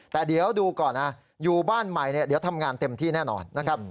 แต่เดี๋ยวดูก่อนนะอยู่บ้านใหม่เดี๋ยวทำงานเต็มที่แน่นอนนะครับ